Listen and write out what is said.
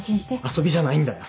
遊びじゃないんだよ。